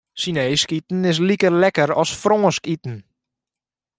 Sjineesk iten is like lekker as Frânsk iten.